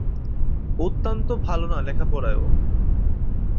অত্যন্ত ভালো না লেখাপড়ায়ও।